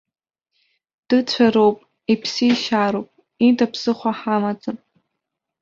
Дыцәароуп, иԥсишьароуп, ида ԥсыхәа ҳамаӡам.